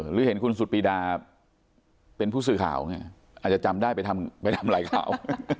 หรือเห็นคุณสุดปีดาเป็นผู้สื่อข่าวอาจจะจำได้ไปทำอะไรกับเขา